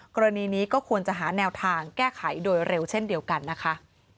กรณีนี้ก็ควรจะหาแนวทางแก้ไขโดยเร็วเช่นเดียวกันนะคะ